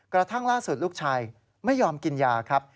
กระทั่งล่าสุดลูกชายไม่ยอมกินยาครับ